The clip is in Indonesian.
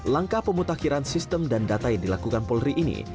langkah pemutakhiran sistem dan data yang dilakukan polri ini